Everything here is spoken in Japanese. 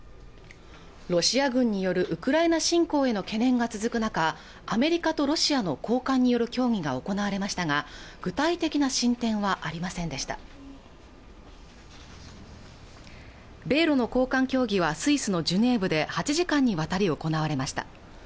ロシア軍によるウクライナ侵攻への懸念が続く中アメリカとロシアの高官による協議が行われましたが具体的な進展はありませんでした米ロの高官協議はスイスのジュネーブで８時間にわたり行われました